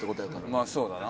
まあそうだな。